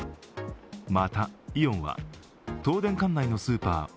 また、イオンは東電管内のスーパー